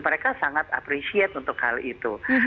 mereka sangat appreciate untuk hal itu